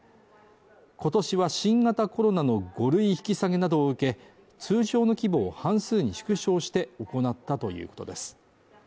今年は新型コロナの５類引き下げなどを受け、通常の規模を半数に縮小して行ったということです。